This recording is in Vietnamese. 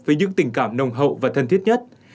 với những tình cảm nồng hậu và thân thiết nhất